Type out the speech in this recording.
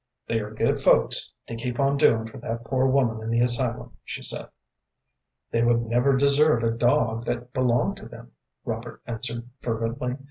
"They are good folks, to keep on doing for that poor woman in the asylum," she said. "They would never desert a dog that belonged to them," Robert answered, fervently.